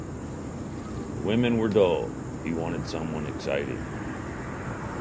The women were dull; he wanted someone exciting.